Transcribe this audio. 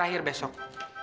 yang sangat mudah